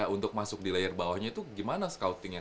untuk masuk di layer bawahnya tuh gimana scoutingnya